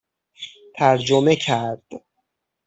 ترجمه کرد